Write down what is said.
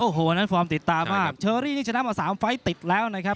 โอ้โหวันนั้นฟอร์มติดตามากเชอรี่นี่ชนะมา๓ไฟล์ติดแล้วนะครับ